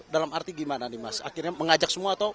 dalam arti gimana nih mas akhirnya mengajak semua atau